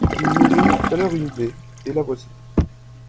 Il m'est venu tout à l'heure une idée, et la voici.